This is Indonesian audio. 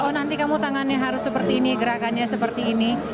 oh nanti kamu tangannya harus seperti ini gerakannya seperti ini